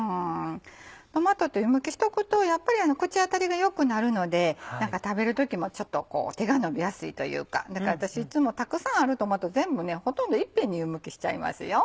トマトって湯むきしとくとやっぱり口当たりが良くなるので食べる時も手がのびやすいというかだから私いつもたくさんあるトマト全部ほとんど一遍に湯むきしちゃいますよ。